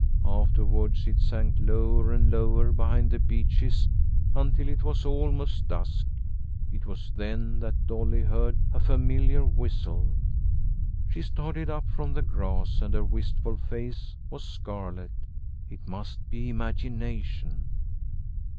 Afterwards, it sank lower and lower behind the beeches until it was almost dusk. It was then that Dolly heard a familiar whistle. She started up from the grass, and her wistful face was scarlet. It must be imagination.